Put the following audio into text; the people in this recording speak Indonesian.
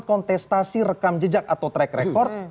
kontestasi rekam jejak atau track record